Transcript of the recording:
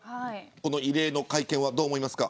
この異例の会見はどう思いますか。